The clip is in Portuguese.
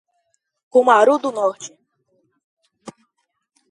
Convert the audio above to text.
Cumaru do Norte